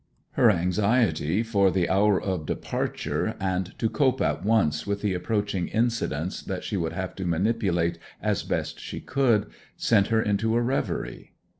Her anxiety for the hour of departure, and to cope at once with the approaching incidents that she would have to manipulate as best she could, sent her into a reverie.